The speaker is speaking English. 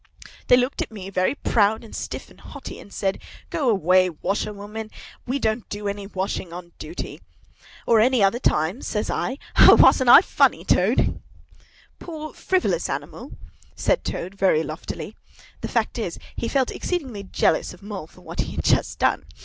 "They looked at me very proud and stiff and haughty, and said, 'Go away, washerwoman! We don't do any washing on duty.' 'Or any other time?' says I. Ho, ho, ho! Wasn't I funny, Toad?" "Poor, frivolous animal!" said Toad, very loftily. The fact is, he felt exceedingly jealous of Mole for what he had just done.